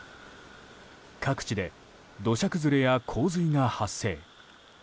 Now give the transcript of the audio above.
各地で土砂崩れや洪水が発生。